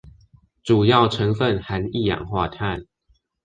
主要成分含一氧化碳